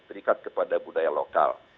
berikat kepada budaya lokal